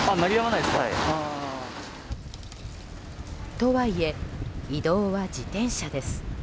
とはいえ、移動は自転車です。